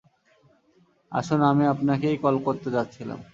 আসুন, আমি আপনাকেই কল করতে যাচ্ছিলাম।